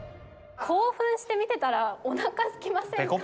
興奮して見てたらおなかすきませんか？